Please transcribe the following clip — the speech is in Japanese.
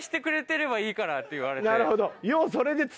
なるほど。